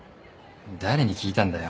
誰に聞いたんだよ。